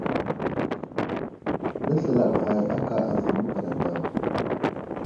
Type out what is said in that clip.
Nəsləlaɓ ghay aka avər magəra daw.